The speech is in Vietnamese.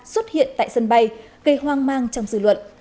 xuất hiện tại sân bay gây hoang mang trong dư luận